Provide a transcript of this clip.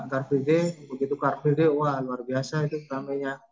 car free day begitu car free day wah luar biasa itu selamanya